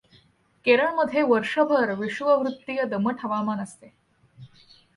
केरळ मध्ये वर्षभर विषुववृत्तीय दमट हवामान असते.